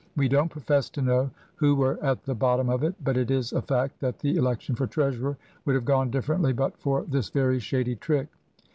We don't profess to know who were at the bottom of it, but it is a fact that the election for treasurer would have gone differently but for this very shady trick.